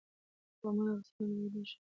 قومونه د افغانستان د ملي هویت نښه ده.